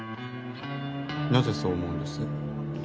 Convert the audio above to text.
なぜそう思うんです？